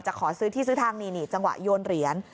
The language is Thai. ขอซื้อที่ซื้อทางนี่นี่จังหวะโยนเหรียญ